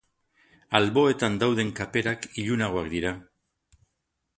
Alboetan dauden kaperak ilunagoak dira.